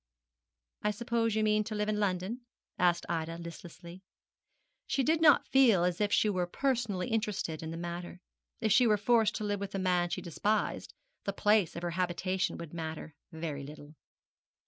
'I suppose you mean to live in London?' said Ida, listlessly. She did not feel as if she were personally interested in the matter. If she were forced to live with a man she despised, the place of her habitation would matter very little.